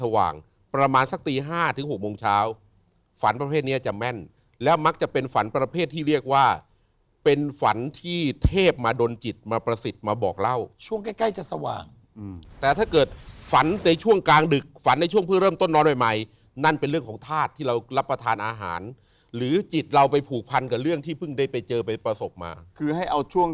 ประมาณสักตีห้าถึงหกโมงเช้าฝันประเภทเนี้ยจะแม่นและมักจะเป็นฝันประเภทที่เรียกว่าเป็นฝันที่เทพมาดนจิตมาประสิทธิ์มาบอกเล่าช่วงใกล้ใกล้จะสว่างแต่ถ้าเกิดฝันในช่วงกลางดึกฝันในช่วงเพื่อเริ่มต้นนอนใหม่ใหม่นั่นเป็นเรื่องของธาตุที่เรารับประทานอาหารหรือจิตเราไปผูกพันกับเรื่องที่เพิ่งได้ไปเจอไปประสบมาคือให้เอาช่วง